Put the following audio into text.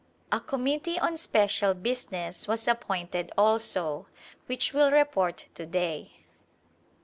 A Committee on Spec'al Business was appointed, also, which will report to day.